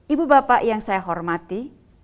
ibu bapak yang saya hormati